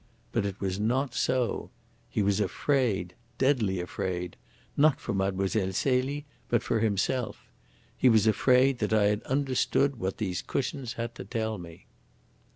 But it was not so. He was afraid deadly afraid not for Mlle. Celie, but for himself. He was afraid that I had understood what these cushions had to tell me."